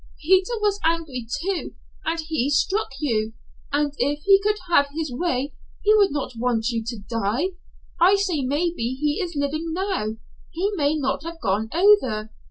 Peter was angry, too, and he struck you, and if he could have his way he would not want you to die. I say maybe he is living now. He may not have gone over."